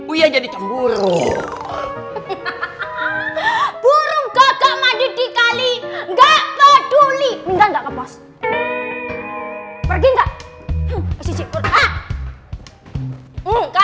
uya jadi cemburu burung gagak mandi dikali nggak peduli minta enggak kepas pergi enggak